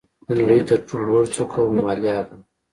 د نړۍ تر ټولو لوړه څوکه هیمالیا ده.